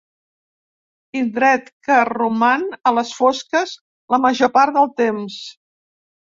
Indret que roman a les fosques la major part del temps.